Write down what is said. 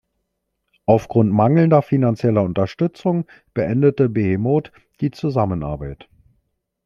Aufgrund mangelnder finanzieller Unterstützung beendete Behemoth die Zusammenarbeit.